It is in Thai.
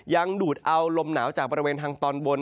ดูดเอาลมหนาวจากบริเวณทางตอนบน